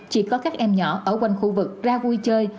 chỉ có các em nhỏ ở quanh khu vực ra vui chơi